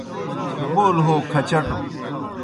بول ہو کھچٹوْ